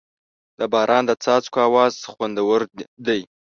د باران د څاڅکو اواز خوندور دی.